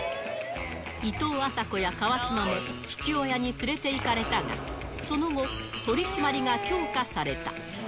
いとうあさこや川島も、父親に連れていかれたが、その後、取締りが強化された。